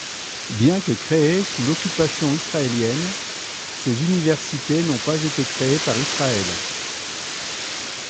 Bien que créé sous l'occupation israélienne, ces universités n'ont pas été créées par Israël.